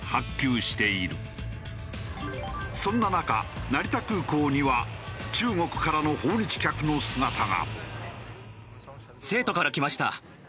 そんな中成田空港には中国からの訪日客の姿が。